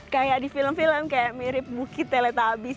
kayak di film film kayak mirip bukit teletabis